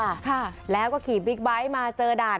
ไปขี่บิ๊กบ้ายที่สร้างเรื่องของการเจอด่าน